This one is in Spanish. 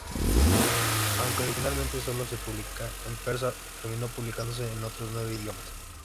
Aunque originalmente solo se publicaba en persa, terminó publicándose en otros nueve idiomas.